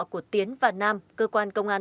của tiến và nam cơ quan công an